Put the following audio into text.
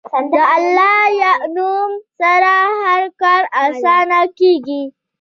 د الله نوم سره هر کار اسانه کېږي.